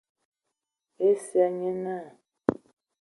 Esia nye naa.